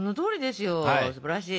すばらしい！